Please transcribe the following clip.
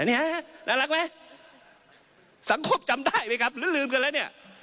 น่ารักไหมสังคมจำได้ไหมครับหรือลืมกันแล้วเนี่ย